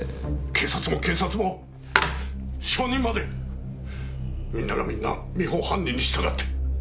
警察も検察も証人までみんながみんな美穂を犯人にしたがって。